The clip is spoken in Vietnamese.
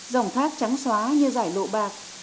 dòng thác trắng xóa như giải lộ bạc